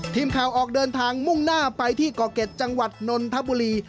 ทีมข่าวออกเดินทางมุ่งหน้าไปที่เกาะเก็ตจังหวัดนนทบุรี